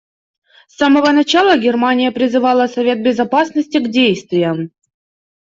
С самого начала Германия призывала Совет Безопасности к действиям.